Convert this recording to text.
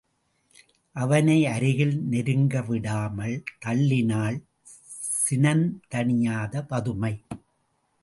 அவனை அருகில் நெருங்கவிடாமல் தள்ளினாள் சினந்தணியாத பதுமை.